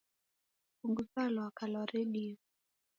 Punguza lwaka lwa redio